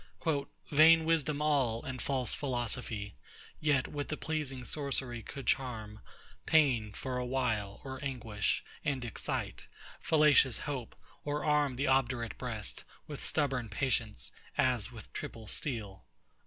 Vain Wisdom all and false Philosophy. Yet with a pleasing sorcery could charm Pain, for a while, or anguish; and excite Fallacious Hope, or arm the obdurate breast With stubborn Patience, as with triple steel.